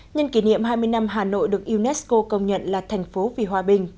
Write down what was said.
nhân kỷ niệm hai mươi năm hà nội được unesco công nhận là thành phố vì hòa bình